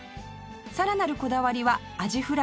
さらなるこだわりはアジフライの味